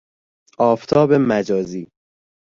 آفتاب مجازی